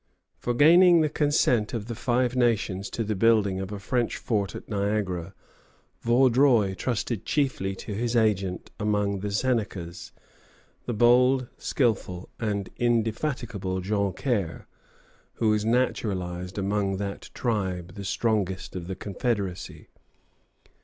] For gaining the consent of the Five Nations to the building of a French fort at Niagara, Vaudreuil trusted chiefly to his agent among the Senecas, the bold, skilful, and indefatigable Joncaire, who was naturalized among that tribe, the strongest of the confederacy.